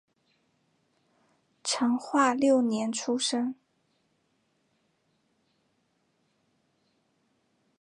成化六年出生。